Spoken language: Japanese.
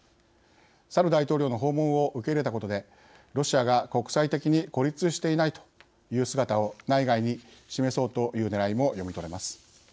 サル大統領の訪問を受け入れたことで、ロシアが「国際的に孤立していない」という姿を、内外に示そうというねらいも読み取れます。